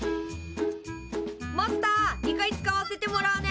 ・マスター２階使わせてもらうね。